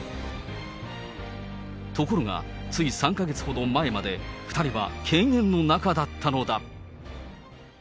ところが、つい３か月ほど前まで、２人は犬猿の仲だったのだ。